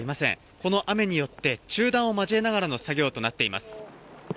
この雨によって中断を交えながらの作業となっています。